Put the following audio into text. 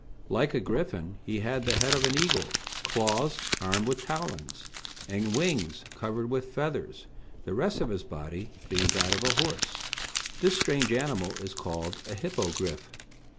Like a griffin, he had the head of an eagle, claws armed with talons, and wings covered with feathers, the rest of his body being that of a horse. This strange animal is called a Hippogriff.